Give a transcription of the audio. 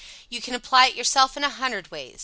You can apply it yourself in a hundred ways.